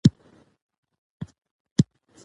د خلکو ګډون نظام له سقوطه ژغوري